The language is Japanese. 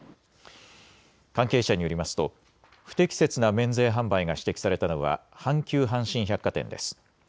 関係者によりますと不適切な免税販売が指摘されたのは阪急阪神百貨店です。